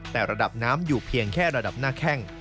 แต่ระดับน้ำอยู่เพียงแค่ระดับหน้าแข้ง